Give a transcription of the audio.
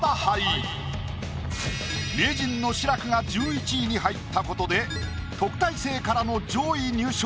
名人の志らくが１１位に入ったことで特待生からの上位入賞